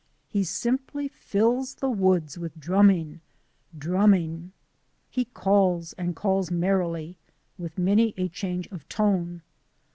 He simply fills the woods with drumming, drum ming. He calls and calls merrily, with many a change of tone.